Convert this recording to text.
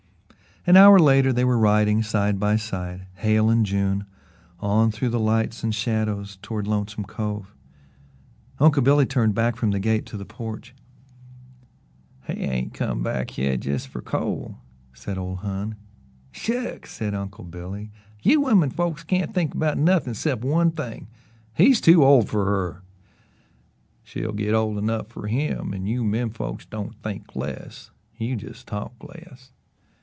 An hour later they were riding side by side Hale and June on through the lights and shadows toward Lonesome Cove. Uncle Billy turned back from the gate to the porch. "He ain't come back hyeh jes' fer coal," said ole Hon. "Shucks!" said Uncle Billy; "you women folks can't think 'bout nothin' 'cept one thing. He's too old fer her." "She'll git ole enough fer HIM an' you menfolks don't think less you jes' talk less."